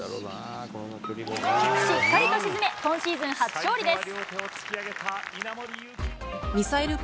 しっかりと沈め、今シーズン初勝利です。